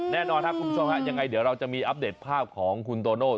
แน่นอนครับคุณผู้ชมฮะยังไงเดี๋ยวเราจะมีอัปเดตภาพของคุณโตโน่